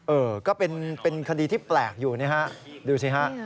เออก็เป็นคดีที่แปลกอยู่นะฮะดูสิฮะ